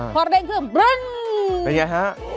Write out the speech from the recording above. พอเร่งเครื่องปรึ้งปรึ้ง